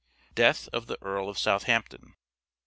Death of the Earl of Southampton.